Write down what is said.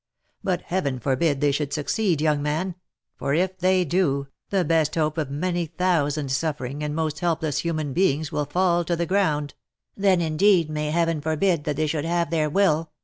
But Heaven forbid they should succeed, young man — for if they do, the best hope of many thousand suffering, and most helpless human beings, will fall to the ground !"" Then, indeed, may Heaven forbid that they should have their will